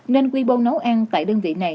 nên quy bô nấu ăn tại đơn vị này